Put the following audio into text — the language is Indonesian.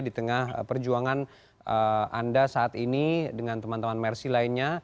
di tengah perjuangan anda saat ini dengan teman teman mersi lainnya